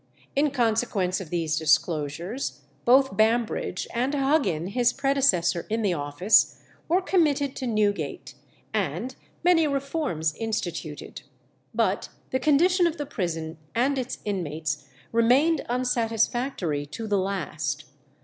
In consequence of these disclosures, both Bambridge and Huggin, his predecessor in the office, were committed to Newgate, and many reforms instituted. But the condition of the prison and its inmates remained unsatisfactory to the last.